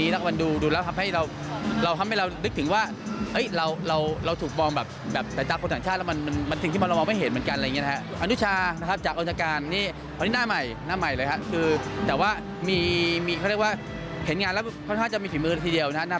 แต่ว่าเห็นงานแล้วค่อนข้างจะมีภีมือทีเดียวนะครับ